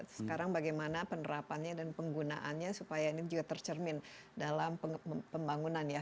sekarang bagaimana penerapannya dan penggunaannya supaya ini juga tercermin dalam pembangunan ya